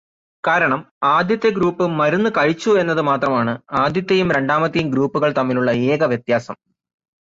കാരണം, ആദ്യത്തെ ഗ്രൂപ്പ് മരുന്ന് കഴിച്ചു എന്നതുമാത്രമാണ് ആദ്യത്തെയും രണ്ടാമത്തെയും ഗ്രൂപ്പുകൾ തമ്മിലുള്ള ഏകവ്യത്യാസം.